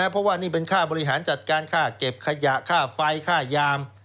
เพราะว่านี่เป็นค่าบริหารจัดการค่าเก็บขยะค่าไฟค่ายาม